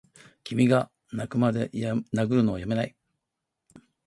君がッ泣くまで殴るのをやめないッ！